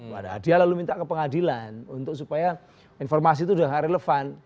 padahal dia lalu minta ke pengadilan untuk supaya informasi itu sudah relevan